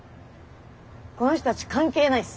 この人たち関係ないっす。